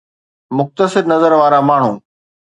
مختصر نظر وارا ماڻهو